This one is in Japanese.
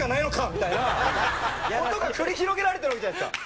みたいな事が繰り広げられてるわけじゃないですか。